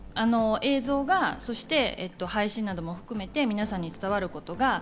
映像が配信なども含めて皆さんに伝わることが。